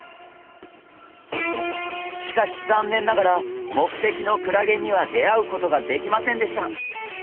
しかし残念ながら目的のクラゲには出会うことができませんでした。